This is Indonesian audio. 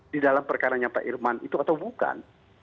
di dalam perkaranya pak irman itu atau bukan